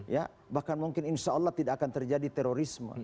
ya bahkan mungkin insya allah tidak akan terjadi terorisme